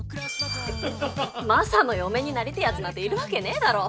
マサの嫁になりてえやつなんているわけねえだろ。